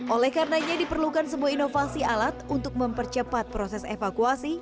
oleh karenanya diperlukan sebuah inovasi alat untuk mempercepat proses evakuasi